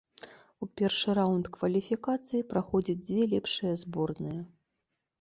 У першы раўнд кваліфікацыі праходзяць дзве лепшыя зборныя.